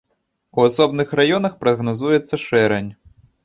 У асобных раёнах прагназуецца шэрань.